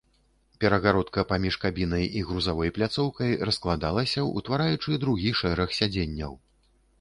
Перагародка паміж кабінай і грузавой пляцоўкай раскладалася, утвараючы другі шэраг сядзенняў.